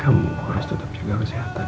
kamu harus tetap jaga kesehatan